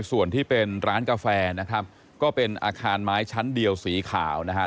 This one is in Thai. ส่วนที่เป็นร้านกาแฟนะครับก็เป็นอาคารไม้ชั้นเดียวสีขาวนะฮะ